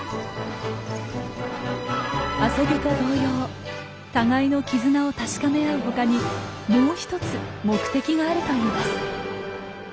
遊びと同様互いの絆を確かめ合う他にもう一つ目的があるといいます。